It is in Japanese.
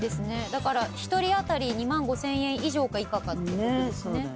だから１人当たり２万５，０００円以上か以下かってことですね。